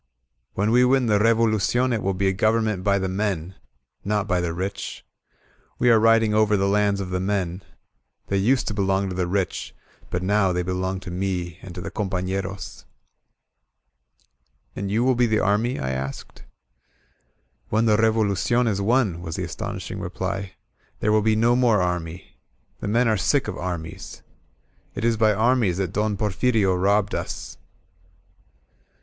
When we win the Revolucion it will be a government by the men, —not by the rich. We are riding over the lands of the men. They used to belong to the rich, but now they belong to me and to the compafleroM "And you will be the army?" I asked. ^^When the Revolucion is won," was the astonishing reply, "there will be no more army. The men are sick of armies* It is by armies that Don Porfirio robbed us."